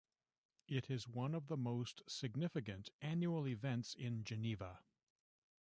It is one of the most significant annual events in Geneva.